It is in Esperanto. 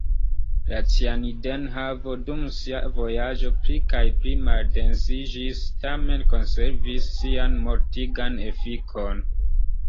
La cianidenhavo dum sia vojaĝo pli kaj pli maldensiĝis, tamen konservis sian mortigan efikon.